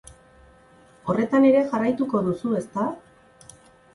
Horretan ere jarraituko duzu, ezta?